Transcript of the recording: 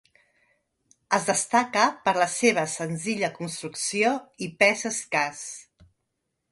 Es destaca per la seva senzilla construcció i pes escàs.